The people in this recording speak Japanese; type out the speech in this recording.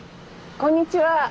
こんにちは。